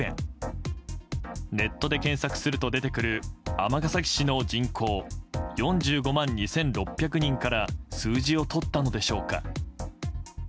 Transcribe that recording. ネットで検索すると出てくる尼崎市の人口４５万２６００人から数字をとったのでしょうか。